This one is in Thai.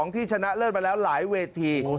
ที่ชนะเลิศมาแล้วหลายเวที